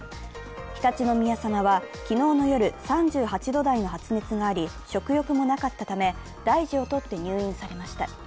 常陸宮さまは昨日の夜、３８度台の発熱があり、食欲もなかったため、大事を取って入院されました。